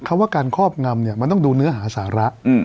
คำว่าการครอบงำเนี่ยมันต้องดูเนื้อหาสาระ